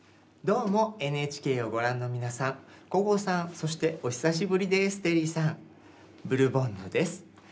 「どーもＮＨＫ」をご覧の皆さん小郷さん、そしてお久しぶりですテリーさん、ブルボンヌです。